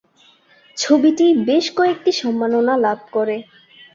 ছবিটি বেশ কয়েকটি সম্মাননা লাভ করে।